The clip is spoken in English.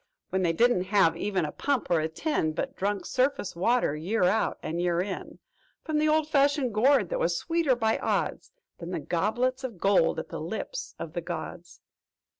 "'When they didn't have even a pump, or a tin, But drunk surface water, year out and year in, "'From the old fashioned gourd that was sweeter, by odds, Than the goblets of gold at the lips of the gods!'"